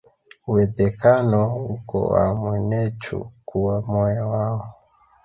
Uwedhekano uko wa mwenechu kuwa moya wao